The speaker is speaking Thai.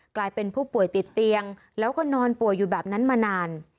กลายเป็นผู้ป่วยติดเตียงแล้วก็นอนป่วยอยู่แบบนั้นมานาน